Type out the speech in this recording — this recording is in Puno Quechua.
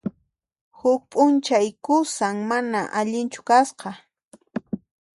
Huk p'unchay qusan mana allinchu kasqa.